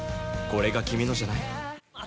これが君のじゃない？